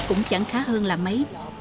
cũng chẳng khá hơn là mấy